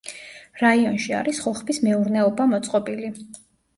რაიონში არის ხოხბის მეურნეობა მოწყობილი.